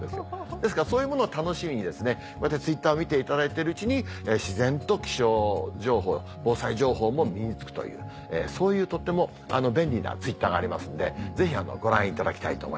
ですからそういうものを楽しみにＴｗｉｔｔｅｒを見ていただいてるうちに自然と気象情報防災情報も身に付くというそういうとても便利なＴｗｉｔｔｅｒがありますのでぜひご覧いただきたいと思います。